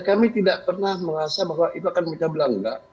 kami tidak pernah mengasa bahwa itu akan menyebabkan apa